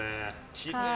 きれい。